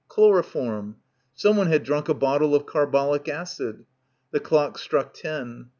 Chloroform. Someone had drunk a bottle of carbolic acid. The clock struck ten.